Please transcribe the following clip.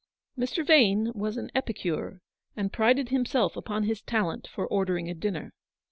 Mr. Vane was an epicure, and prided himself upon his talent for ordering a dinner.